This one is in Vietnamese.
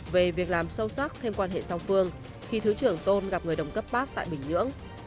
về việc làm sâu sắc thêm quan hệ song phương khi thứ trưởng tôn gặp người đồng cấp bác tại bình nhưỡng